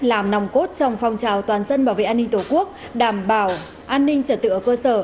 làm nòng cốt trong phong trào toàn dân bảo vệ an ninh tổ quốc đảm bảo an ninh trật tự ở cơ sở